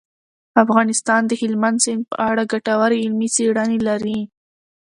افغانستان د هلمند سیند په اړه ګټورې علمي څېړنې لري.